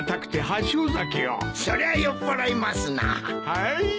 はい。